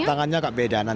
ah tangannya agak beda ya